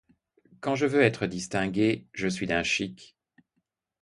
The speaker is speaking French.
Quand je veux être distinguée, je suis d'un chic!